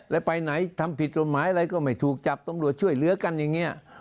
แล้วไปไหนทำผิดกฎหมายอะไรก็ไม่ถูกจับตำรวจช่วยเหลือกันอย่างนี้